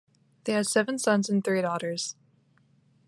They had seven sons and three daughters.